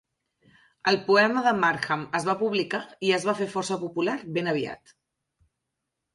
El poema de Markham es va publicar i es va fer força popular ben aviat.